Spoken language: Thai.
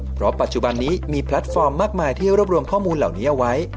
เพราะปัจจุบันนี้มีแพลตฟอร์มมากมายที่รวบรวมข้อมูลเหล่านี้เอาไว้